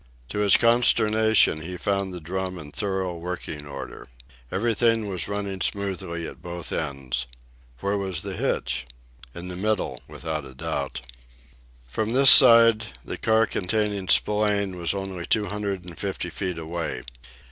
To his consternation, he found the drum in thorough working order. Everything was running smoothly at both ends. Where was the hitch? In the middle, without a doubt. From this side, the car containing Spillane was only two hundred and fifty feet away.